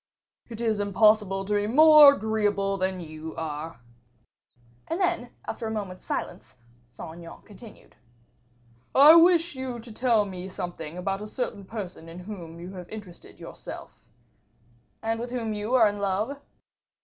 "It is impossible to be more agreeable than you are." And then, after a moment's silence, Saint Aignan continued, "I wish you to tell me something about a certain person in who you have interested yourself." "And with whom you are in love?"